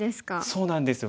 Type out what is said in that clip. そうなんですよ。